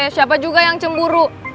siapa juga yang cemburu